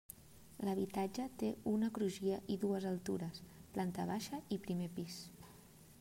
L’habitatge té una crugia i dues altures: planta baixa i primer pis.